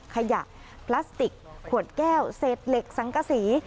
ขยะพลาสติกขวดแก้วเศษเหล็กสังกษี